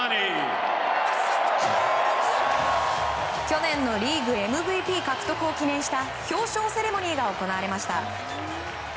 去年のリーグＭＶＰ獲得を記念した表彰セレモニーが行われました。